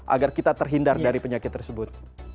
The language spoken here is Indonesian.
agar kita terhindar dari penyakit tersebut